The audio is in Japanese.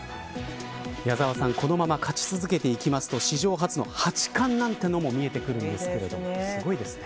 矢沢さんこのまま勝ち続けていきますと史上初の八冠なんていうのも見えてくるんですけどすごいですね。